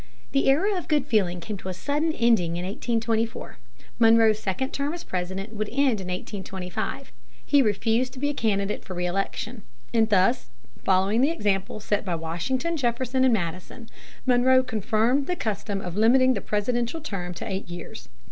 The Era of Good Feeling came to a sudden ending in 1824. Monroe's second term as President would end in 1825. He refused to be a candidate for reëlection. In thus following the example set by Washington, Jefferson, and Madison, Monroe confirmed the custom of limiting the presidential term to eight years.